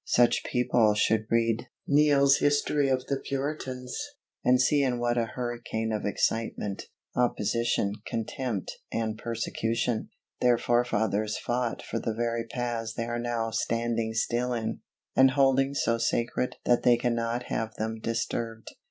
Such people should read "Neale's History of the Puritans," and see in what a hurricane of excitement, opposition, contempt, and persecution, their forefathers fought for the very paths they are now standing still in, and holding so sacred that they cannot have them disturbed.